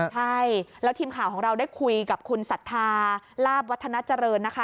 ใช่แล้วทีมข่าวของเราได้คุยกับคุณศรัทธาลาบวัฒนาเจริญนะคะ